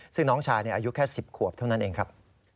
ซึ่งน้องชายอายุแค่๑๐ขวบเท่านั้นเองครับ